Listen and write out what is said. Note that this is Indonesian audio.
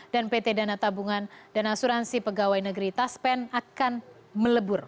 dan pt dana tabungan dan asuransi pegawai negeri taspen akan melebur